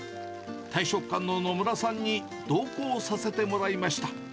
大食漢の野村さんに同行させてもらいました。